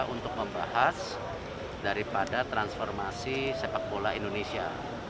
untuk membahas daripada transformasi sepak bola indonesia